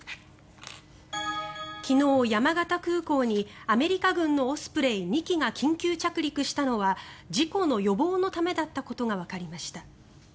昨日、山形空港にアメリカ軍のオスプレイ２機が緊急着陸したのは事故の予防のためだったことがわかりました。